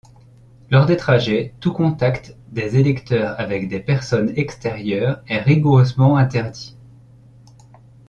Lors des trajets, tout contact des électeurs avec des personnes extérieures est rigoureusement interdit.